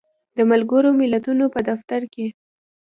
د ملګری ملتونو په دفتر کې